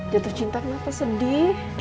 jatuh cinta kenapa sedih